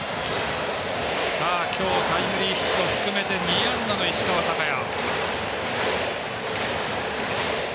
今日タイムリーヒット含めて２安打の石川昂弥。